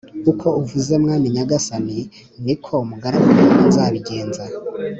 Uko uvuze mwami nyagasani, ni ko umugaragu wawe nzabigenza.